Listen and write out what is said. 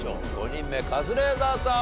５人目カズレーザーさん